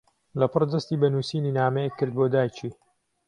لەپڕ دەستی بە نووسینی نامەیەک کرد بۆ دایکی.